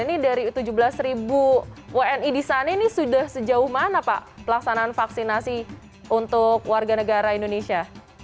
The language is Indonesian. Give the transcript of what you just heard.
ini dari tujuh belas ribu wni di sana ini sudah sejauh mana pak pelaksanaan vaksinasi untuk warga negara indonesia